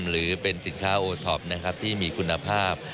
หรือเป็นสินค้าโอท็อปนะครับที่มีคุณภาพ